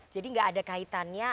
jadi gak ada kaitannya